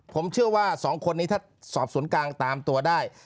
ผมเชื่อว่า๒คนนี้ถ้าสอบสวนกลางตามตัวได้